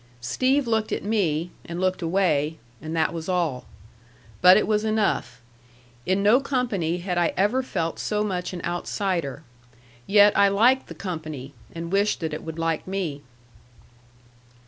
Steve looked at me, and looked away and that was all. But it was enough. In no company had I ever felt so much an outsider. Yet I liked the company, and wished that it would like me.